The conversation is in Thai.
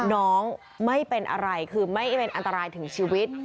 น้องไม่เป็นอะไรคือไม่เป็นอันตรายถึงชีวิต